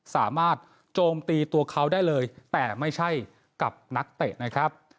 โจมตีตัวเขาได้เลยแต่ไม่ใช่กับนักเตะนะครับ